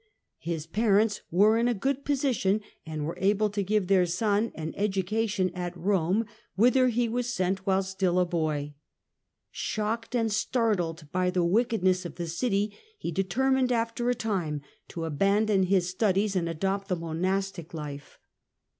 His parents were in a good position, Jid were able to give their son an education at Rome, 5 65 66 THE DAWN OF MEDIAEVAL EUROPE whither he was sent while still a boy. Shocked and startled by the wickedness of the city, he determined after a time to abandon his studies and adopt the monastic life.